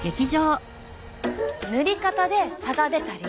塗り方で差が出た理由。